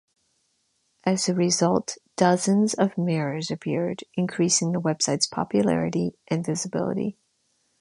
As a result dozens of mirrors appeared, increasing the website's popularity and visibility.